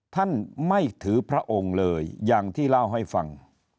ท่านไม่ถือพระองค์เลยอย่างที่เล่าให้ฟัง